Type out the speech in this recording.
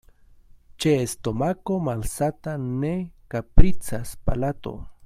Ĉe stomako malsata ne kapricas palato.